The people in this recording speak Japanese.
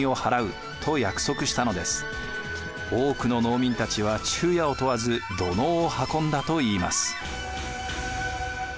多くの農民たちは昼夜を問わず土のうを運んだといいます。